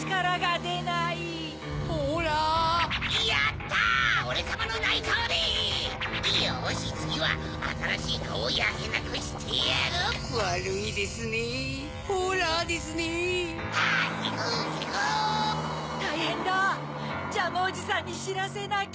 ・たいへんだジャムおじさんにしらせなきゃ。